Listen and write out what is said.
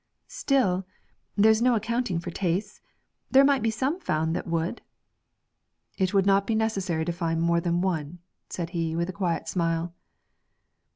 'Still, there's no accounting for tastes; there might be some found that would.' 'It would not be necessary to find more than one,' said he, with a quiet smile.